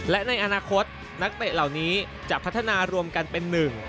และในอนาคตนักเตะเหล่านี้จะพัฒนารวมกันเป็นหนึ่ง